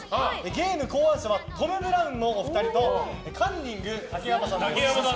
ゲーム考案者はトム・ブラウンのお二人とカンニング竹山さん。